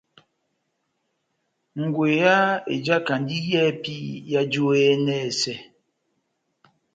Ngweya ejakandi yɛhɛpi yajú e yɛnɛsɛ.